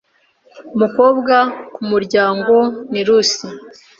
Umukobwa kumuryango ni Lucy.